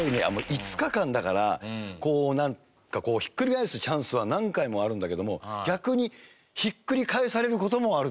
５日間だからなんかこうひっくり返すチャンスは何回もあるんだけども逆にひっくり返される事もあるって事だよね。